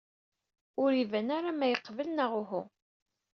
Ur iban ara ma yeqbel neɣ uhu.